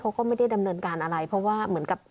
เขาก็ไม่ได้ดำเนินการอะไรเพราะว่าเหมือนกับ